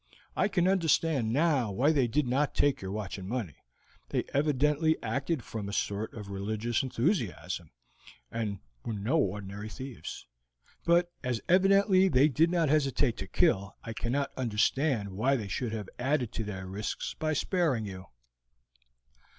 I can understand now why they did not take your watch and money. They evidently acted from a sort of religious enthusiasm, and were no ordinary thieves, but as evidently they did not hesitate to kill, I cannot understand why they should have added to their risks by sparing you."